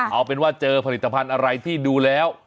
เอาเป็นว่าเจอผลิตภัณฑ์อะไรที่ดูแล้ว